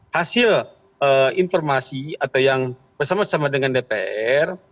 hasil informasi atau yang bersama sama dengan dpr